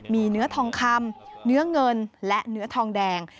มีเนื้อทองคำเนื้อเงินและเนื้อทองแดง